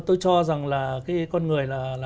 tôi cho rằng là cái con người là